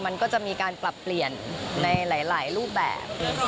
มันก็จะมีการปรับเปลี่ยนในหลายรูปแบบ